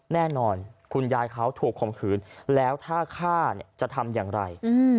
คุณยายเขาถูกข่มขืนแล้วถ้าฆ่าจะทำอย่างไร